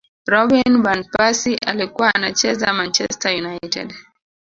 robin van persie alikuwa anacheza manchester united